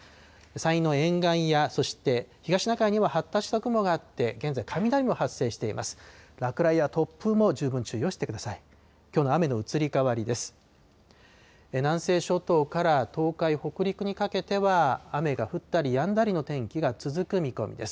山陰の沿岸や、そして東シナ海には発達した雲があって、現在、雷も発生しています。